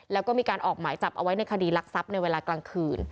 แล้วก็มีการออกหมายจับเอาไว้ในคดีรักทรัพย์ในเวลากลางคืน